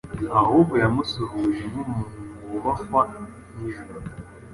ahubwo yamusuhuje nk’umuntu wubahwa n’ijuru